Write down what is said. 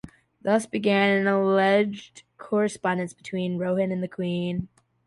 Thus began an alleged correspondence between Rohan and the Queen.